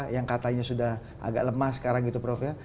yang katanya sudah agak lemah sekarang gitu prof ya